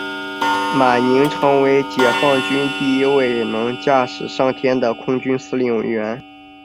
马宁成为解放军第一位能驾机上天的空军司令员。